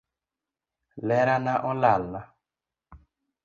Lerana olalna.